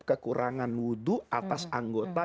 kekurangan wudhu atas anggota